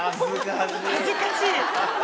恥ずかしい！